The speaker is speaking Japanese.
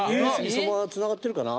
そのままつながってるかな？